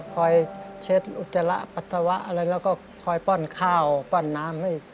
คอยเช็ดอุจจาระปัสสาวะอะไรแล้วก็คอยป้อนข้าวป้อนน้ำให้